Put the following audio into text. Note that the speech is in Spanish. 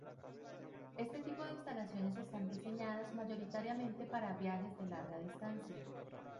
Este tipo de instalaciones están diseñadas mayoritariamente para viajes de larga distancia.